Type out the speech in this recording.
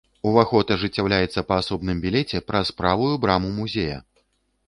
Уваход ажыццяўляецца па асобным білеце праз правую браму музея!!!